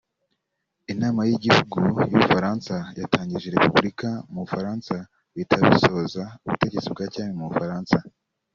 Inama y’igihugu y’ubufaransa yatangije repubulika mu bufaransa bihita bisoza ubutegetsi bwa cyami mu bufaransa